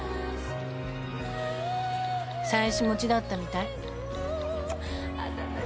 「妻子持ちだったみたい」